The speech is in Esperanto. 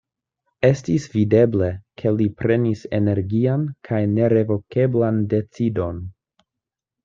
Estis videble, ke li prenis energian kaj nerevokeblan decidon.